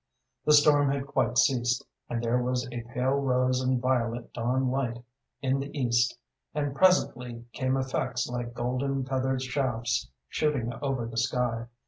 The storm had quite ceased, and there was a pale rose and violet dawn light in the east, and presently came effects like golden feathered shafts shooting over the sky.